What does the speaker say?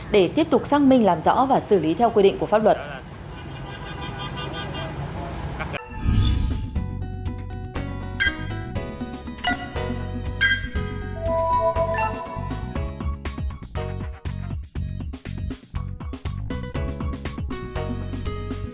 để tiếp tục xác minh làm rõ và xử lý theo quy định của pháp luật